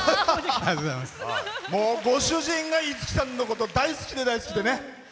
ご主人が五木さんのこと大好きで大好きで。